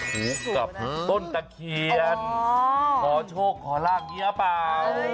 ถูกกับต้นตะเคียนขอโชคขอลาบเฮียเปล่า